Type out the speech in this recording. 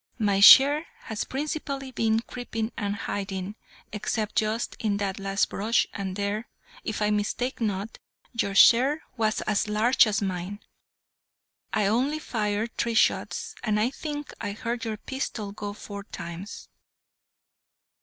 "My share has principally been creeping and hiding, except just in that last brush, and there, if I mistake not, your share was as large as mine. I only fired three shots, and I think I heard your pistol go four times."